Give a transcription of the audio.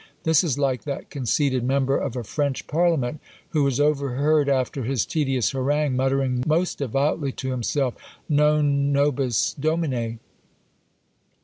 This is like that conceited member of a French Parliament, who was overheard, after his tedious harangue, muttering most devoutly to himself, "Non nobis Domine."